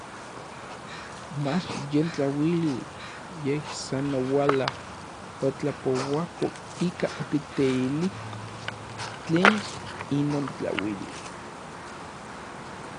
Mach yen tlauili, yej san oualaj otlapouako ika okiteiliko tlen inon tlauili.